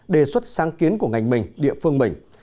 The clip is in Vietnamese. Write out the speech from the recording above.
đề xuất sáng kiến của ngành mình địa phương mình